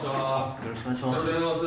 よろしくお願いします。